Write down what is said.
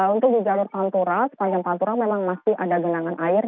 untuk di jalur panturakaligawe sepanjang panturakaligawe memang masih ada jenangan air